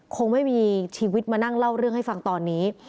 คงไม่มีชีวิตมานั่งเล่าเรื่องให้ฟังตอนนี้